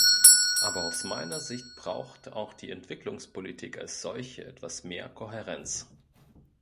Aber aus meiner Sicht braucht auch die Entwicklungspolitik als solche etwas mehr Kohärenz.